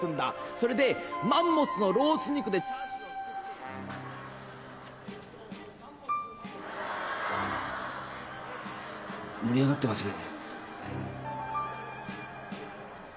それでマンモスのロース肉でチャーシューを作って」・盛り上がってますね。